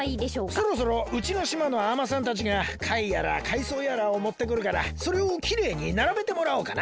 そろそろうちのしまの海女さんたちがかいやらかいそうやらをもってくるからそれをきれいにならべてもらおうかな。